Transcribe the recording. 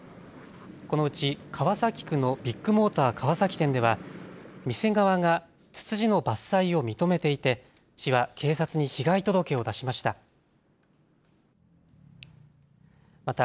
このうち川崎区のビッグモーター川崎店では店側がツツジの伐採を認めていて市は警察に被害届を出しました。